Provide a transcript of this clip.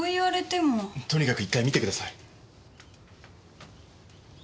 とにかく一回見てください。